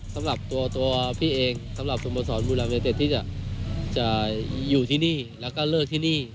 สำหรับตัวพี่เองสำหรับสโมสรบุรีรัมยูเต็ดที่จะอยู่ที่นี่แล้วก็เลิกที่นี่